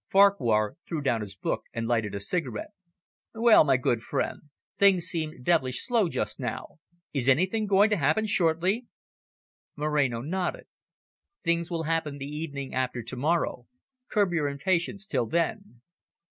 Farquhar threw down his book, and lighted a cigar. "Well, my good old friend, things seem devilish slow just now. Is anything going to happen shortly?" Moreno nodded. "Things will happen the evening after to morrow. Curb your impatience till then."